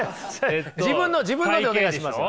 自分のでお願いします。